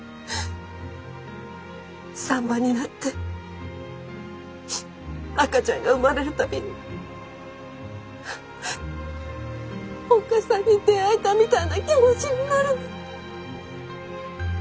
産婆になって赤ちゃんが産まれる度におっ母さんに出会えたみたいな気持ちになるの。